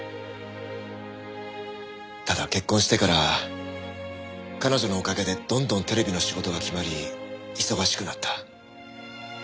ただ結婚してから彼女のおかげでどんどんテレビの仕事が決まり忙しくなった。